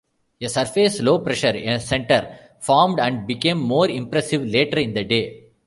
A surface low pressure center formed and became more impressive later in the day.